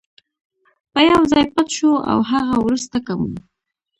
به یو ځای پټ شو، له هغه وروسته که مو.